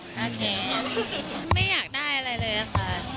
โอเคไม่อยากได้อะไรเลยค่ะ